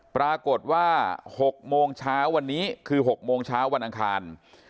ปรากฏว่า๖โมงเช้าวันนี้คือ๖โมงเช้าวันอังคาร